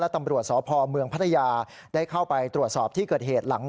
ตำรวจสพเมืองพัทยาได้เข้าไปตรวจสอบที่เกิดเหตุหลัง